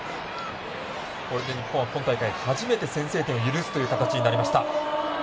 これで日本は初めて先制点を許すという形になりました。